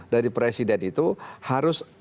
dari presiden itu harus